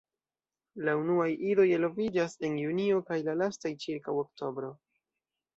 La unuaj idoj eloviĝas en Junio kaj la lastaj ĉirkaŭ Oktobro.